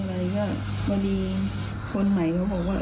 ไม่ได้มีอะไรก็วันนี้คนใหม่เขาบอกว่า